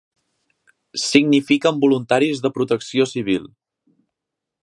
Signifiquen Voluntaris de Protecció Civil.